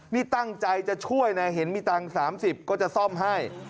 นี่ตั้งใจจะช่วยนะเห็นมีตังค์๓๐ก็จะซ่อมให้